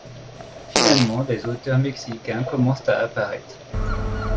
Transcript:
Finalement des auteurs mexicains commencent à apparaître.